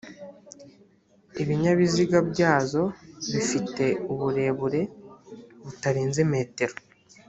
ibinyabiziga byazo bifite uburebure butarenze metero